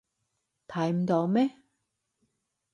睇唔到咩？